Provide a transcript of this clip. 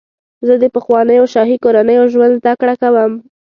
زه د پخوانیو شاهي کورنیو ژوند زدهکړه کوم.